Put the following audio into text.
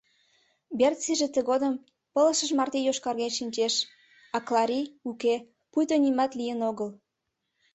Берциже тыгодым пылышыж марте йошкарген шинчеш, а Клари — уке, пуйто нимат лийын огыл.